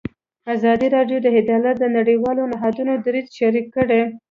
ازادي راډیو د عدالت د نړیوالو نهادونو دریځ شریک کړی.